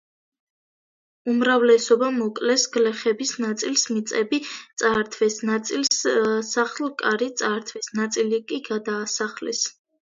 უმრავლესობა მოკლეს, გლეხების ნაწილს მიწები წაართვეს, ნაწილს სახლ-კარი წაართვეს, ნაწილი კი გადაასახლეს.